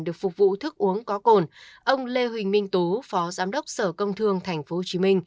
để phục vụ thức uống có cồn ông lê huỳnh minh tú phó giám đốc sở công thương tp hcm